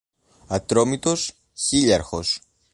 Ατρόμητος, χιλίαρχος